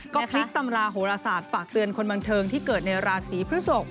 ก็พลิกตำราโหรศาสตร์ฝากเตือนคนบันเทิงที่เกิดในราศีพฤศก